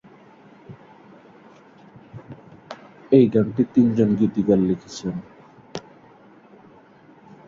এই গানটি তিনজন গীতিকার লিখেছেন।